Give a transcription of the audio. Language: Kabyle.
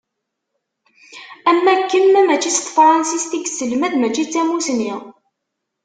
Am wakken ma mačči s tefransist i yesselmad mačči d tamussni.